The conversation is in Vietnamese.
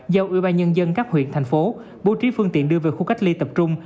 giao ủy ban nhân dân các huyện thành phố bố trí phương tiện đưa về khu cách ly tập trung